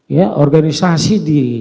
ya organisasi di